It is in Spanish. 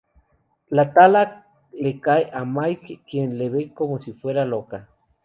La lata le cae a Mike quien la ve como si fuera loca.